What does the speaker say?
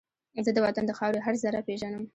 زه د وطن د خاورې هر زره پېژنم